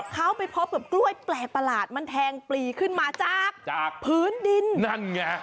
เขาไปพบกับกล้วยแปลกประหลาดมันแทงปลีขึ้นมาจากจากพื้นดินนั่นไง